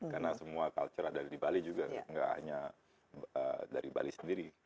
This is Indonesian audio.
karena semua culture ada di bali juga nggak hanya dari bali sendiri